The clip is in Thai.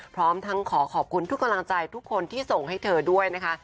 พร้อมทั้งขอขอบคุณทุกกำลังใจทุกคนที่ส่งให้เธอด้วยนะคะ